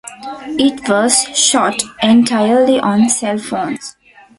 It was shot entirely on cell phones.